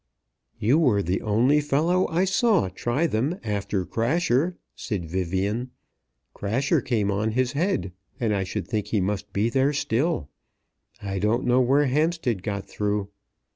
"You were the only fellow I saw try them after Crasher," said Vivian. "Crasher came on his head, and I should think he must be there still. I don't know where Hampstead got through."